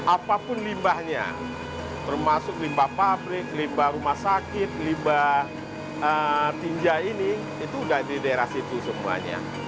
apapun limbahnya termasuk limbah pabrik limbah rumah sakit limba tinja ini itu sudah di daerah situ semuanya